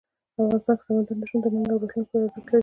افغانستان کې سمندر نه شتون د نن او راتلونکي لپاره ارزښت لري.